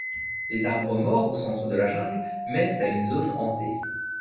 Les arbres morts au centre de la jungle mènent à une zone hantée.